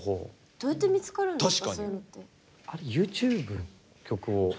どうやって連絡来るんですか？